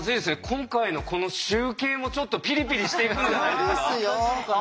今回のこの集計もちょっとピリピリしていくんじゃないですか？